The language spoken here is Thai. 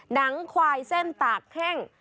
น้ำควายเส้นตากแห้ง